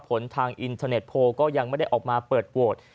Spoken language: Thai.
ผลทางอินเทอร์เน็ตโพลก็ยังไม่ได้ออกมาเปิดโหวต